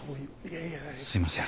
すいません。